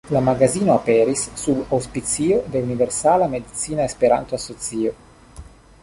La magazino aperis sub aŭspicio de Universala Medicina Esperanto-Asocio.